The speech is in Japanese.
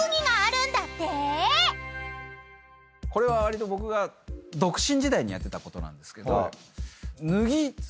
これはわりと僕が独身時代にやってたことなんですけど。